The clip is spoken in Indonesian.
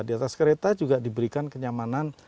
di atas kereta juga diberikan kenyamanan